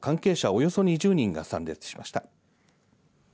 およそ２０人が参列しました。